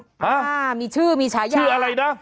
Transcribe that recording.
โอ้โหชื่ออะไรน่ะ